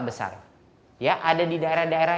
besar ya ada di daerah daerah